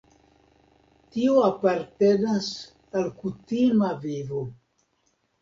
Tio apartenas al kutima vivo.